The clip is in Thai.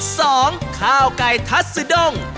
สองข้าวไก่ทัสสุดง